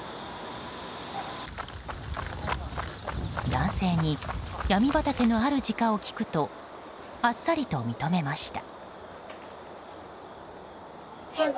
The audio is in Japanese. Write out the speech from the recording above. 男性にヤミ畑のあるじかを聞くと、あっさりと認めました。